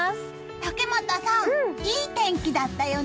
竹俣さん、いい天気だったよね！